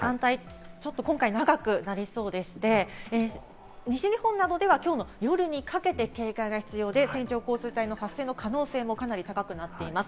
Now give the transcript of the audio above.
ちょっと今回、長くなりそうでして西日本などでは今日の夜にかけて警戒が必要で、線状降水帯の発生の可能性も高くなっています。